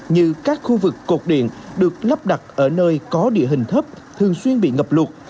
như các khu vực cột điện được lắp đặt ở nơi có địa hình thấp thường xuyên bị ngập lụt